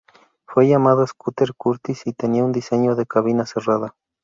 Fue llamado "Scooter Curtiss" y tenía un diseño de cabina cerrada.